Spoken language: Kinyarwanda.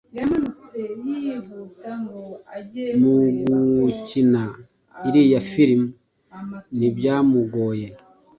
Mugukina iriya filimi ntibyamugoye